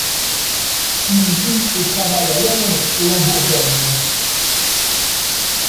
Il vit et travaille à Londres et en Bourgogne.